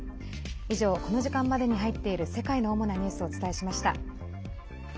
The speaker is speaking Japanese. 以上、この時間までに入っている世界の主なニュースをお伝えしました。